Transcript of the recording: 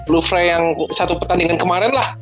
lufrey yang satu pertandingan kemarin lah